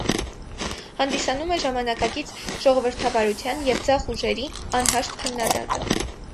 Հանդիսանում է ժամանակակից ժողովրդավարության և ձախ ուժերի անհաշտ քննադատը։